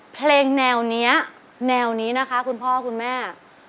เพลงแนวนี้แนวนี้นะคะคุณพ่อคุณแม่